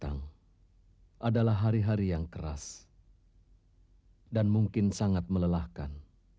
dan itu adalah satu peringkat yang harus kita lakukan